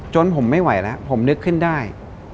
ผมไม่ไหวแล้วผมนึกขึ้นได้